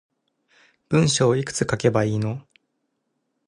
文章いくつ書けばいいの